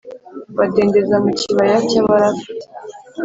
badendeza mu kibaya cy’Abarafa.